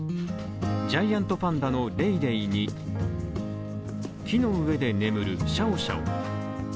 ジャイアントパンダのレイレイに木の上で眠るシャオシャオ。